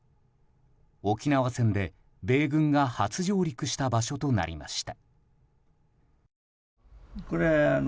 沖縄戦で米軍が初上陸した場所となりました。